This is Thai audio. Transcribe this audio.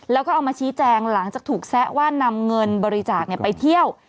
แล้วก็เอามาชี้แจงหลังจากถูกแซะว่านำเงินบริจาคไปเที่ยว